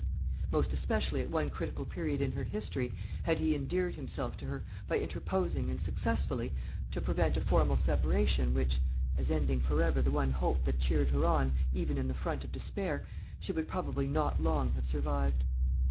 Most especially at one critical period in her history had he endeared himself to her, by interposing, and successfully, to prevent a formal separation which (as ending forever the one hope that cheered her on, even in the front of despair) she would probably not long have survived.